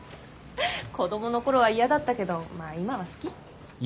子どもの頃は嫌だったけどまあ今は好き。